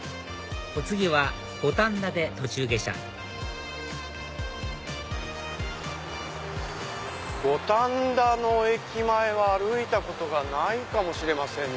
お次は五反田で途中下車五反田の駅前は歩いたことがないかもしれません。